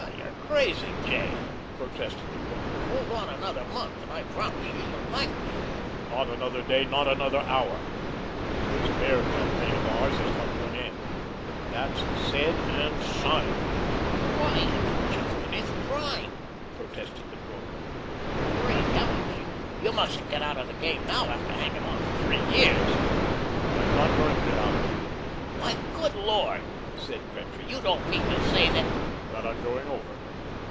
"You're crazy, J.," protested the broker. "Hold on another month, and I promise you, you'll thank me." "Not another day, not another hour. This Bear campaign of ours has come to an end. That's said and signed." "Why, it's just in its prime," protested the broker. "Great heavens, you mustn't get out of the game now, after hanging on for three years." "I'm not going to get out of it." "Why, good Lord!" said Gretry, "you don't mean to say that " "That I'm going over.